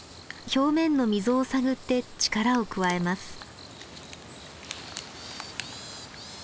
表面の溝を探って力を加えます。